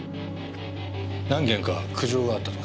何件か苦情があったとか。